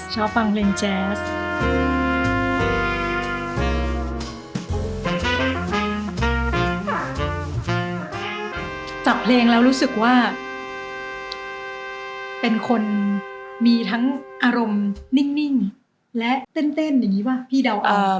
จากเพลงแล้วรู้สึกว่าเป็นคนมีทั้งอารมณ์นิ่งและเต้นอย่างนี้หวะพี่เดาไหม